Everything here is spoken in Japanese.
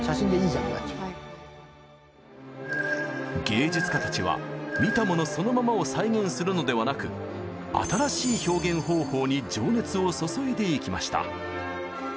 芸術家たちは見たものそのままを再現するのではなく新しい表現方法に情熱を注いでいきました。